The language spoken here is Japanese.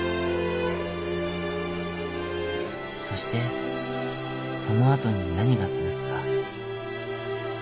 「そしてその後に何が続くか。